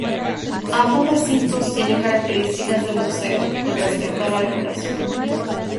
Ambos recintos tienen características de museo, con respecto a la decoración.